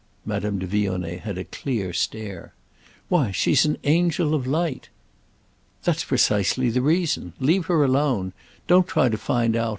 —Madame de Vionnet had a clear stare. "Why she's an angel of light." "That's precisely the reason. Leave her alone. Don't try to find out.